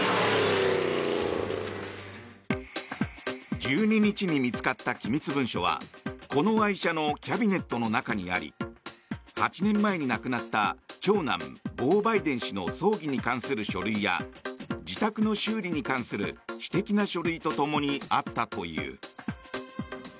１２日に見つかった機密文書はこの愛車のキャビネットの中にあり８年前に亡くなった長男ボー・バイデン氏の葬儀に関する書類や自宅の修理に関する私的な書類と共にあったという。